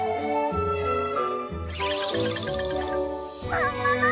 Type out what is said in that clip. ももも！